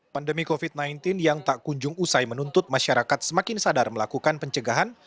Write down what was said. pandemi covid sembilan belas yang tak kunjung usai menuntut masyarakat semakin sadar melakukan pencegahan